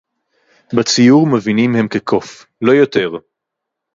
בציור מבינים הם כקוף, לא יותר!